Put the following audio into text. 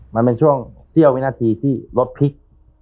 มันเป็นช่วงเสี้ยววินาทีที่รถพลิก